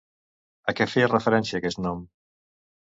A què feia referència aquest nom?